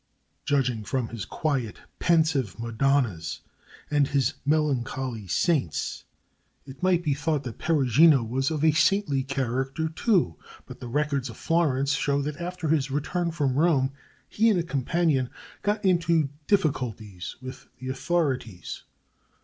Judging from his quiet, pensive Madonnas and his melancholy Saints, it might be thought that Perugino was of a saintly character too; but the records of Florence show that after his return from Rome he and a companion got into difficulties with the authorities.